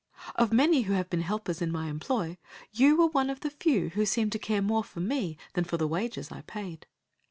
Of many who have been helpers in my employ, you were one of the few who seemed to care more for me than for the wages I paid.